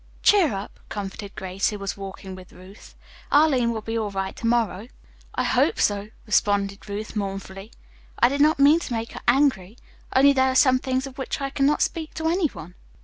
"Cheer up," comforted Grace, who was walking with Ruth. "Arline will be all right to morrow." "I hope so," responded Ruth mournfully. "I did not mean to make her angry, only there are some things of which I cannot speak to any one."